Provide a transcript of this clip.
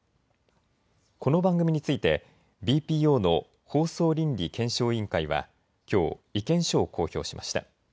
この番組についてＢＰＯの放送倫理検証委員会はきょう、意見書を公表しました。